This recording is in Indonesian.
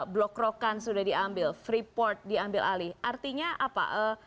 blokrokan sudah diambil freeport diambil alih artinya apa